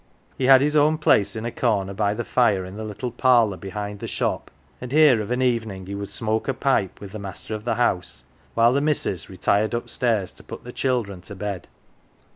He had his own place in a corner by the fire in the little parlour behind the shop, and here of an evening he would smoke a pipe with the master of the house while the "missus'" retired upstairs to put the children to bed.